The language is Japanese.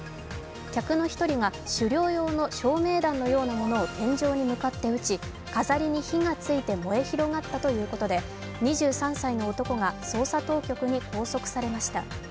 客の１人が、狩猟用の照明弾のようなものを天井に向かって撃ち、飾りに火が付いて燃え広がったということでた、２３歳の男が捜査当局に拘束されました。